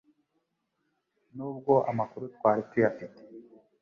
n'ubwo amakuru twari tuyafite